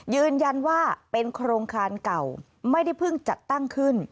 ยืนยันว่าเป็นโครงการเก่าไม่ได้เพิ่งจัดตั้งขึ้น